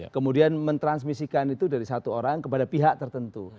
kemudian mentransmisikan itu dari satu orang kepada pihak tertentu